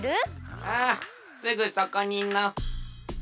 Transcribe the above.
ああすぐそこにの。